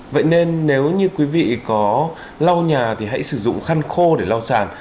vậy nên nếu như quý vị có lau nhà thì hãy sử dụng khăn khô để lau sàn